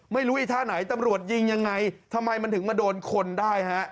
ไอ้ท่าไหนตำรวจยิงยังไงทำไมมันถึงมาโดนคนได้ฮะ